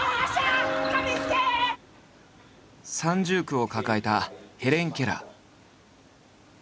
三重苦を抱えたヘレン・ケラー。